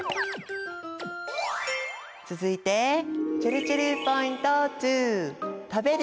続いてちぇるちぇるポイント２！